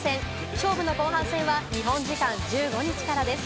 勝負の後半戦は日本時間１５日からです。